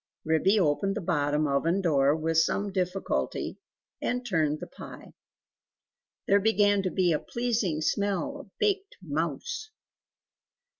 Ribby opened the bottom oven door with some difficulty, and turned the pie. There began to be a pleasing smell of baked mouse!